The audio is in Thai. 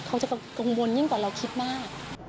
เขาจะกังวลยิ่งกว่าเราคิดมาก